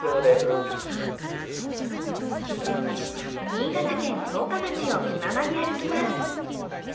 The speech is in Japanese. ［新潟県十日町を気ままに歩きます］